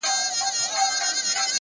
هره هڅه د شخصیت برخه جوړوي